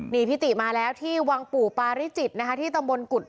นี่พิติมาแล้วที่วังปู่ปาริจิตนะคะที่ตำบลกุฎ